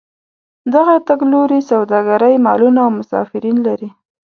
دغه تګ لوري سوداګرۍ مالونه او مسافرین لري.